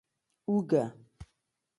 🧄 اوږه